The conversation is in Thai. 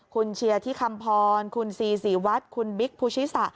คุณเชียร์ที่คำพรคุณซีศรีวัฒน์คุณบิ๊กภูชิสะ